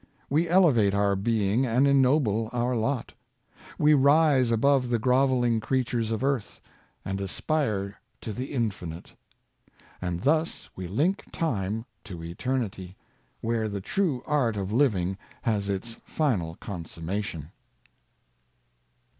We elevate our being and en noble our lot. We rise above the groveling creatures of earth, and aspire to the infinite. And thus we link time to eternity, where the true art of living has its final consummation.